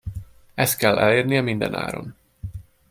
Ezt kell elérnie mindenáron.